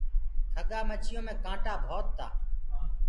کڳآ مڇيو مي ڪآنٽآ ڀوت تآ۔